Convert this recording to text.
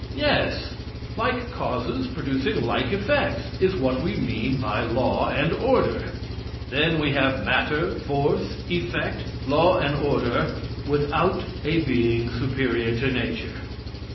Yes. Like causes, producing like effects, is what we mean by law and order. Then we have matter, force, effect, law and order without a being superior to nature.